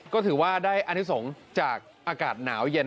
ก็ถือว่าได้อนิสงฆ์จากอากาศหนาวเย็น